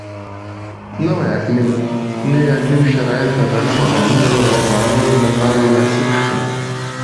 نوي اقلیمي شرایط د غنمو او نورو غلو لپاره مناسب شول.